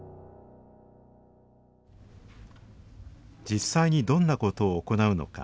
実際にどんなことを行うのか？